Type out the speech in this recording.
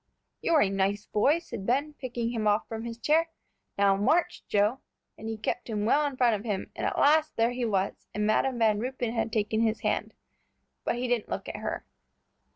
"You're a nice boy," said Ben, picking him off from his chair. "Now march, Joe," and he kept him well in front of him; and at last, there he was, and Madam Van Ruypen had taken his hand. But he didn't look at her.